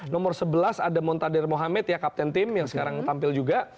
nomor sebelas ada montadir mohamed ya kapten tim yang sekarang tampil juga